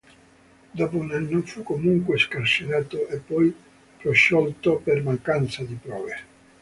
Dopo un anno fu comunque scarcerato e poi prosciolto per mancanza di prove.